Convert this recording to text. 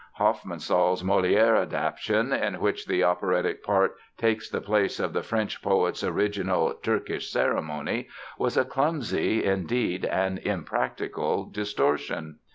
Hofmannsthal's Molière adaptation (in which the operatic part takes the place of the French poet's original "Turkish ceremony") was a clumsy, indeed an impractical distortion.